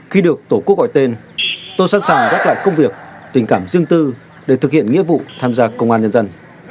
khi được tổ quốc gọi tên tôi sẵn sàng gác lại công việc tình cảm riêng tư để thực hiện nghĩa vụ tham gia công an nhân dân